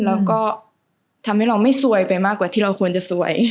แล้วก็ทำให้เราไม่สวยไปมากกว่าที่เราควรจะสวย